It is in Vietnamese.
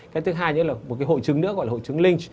cái thứ hai nữa là một cái hội chứng nữa gọi là hội chứng linh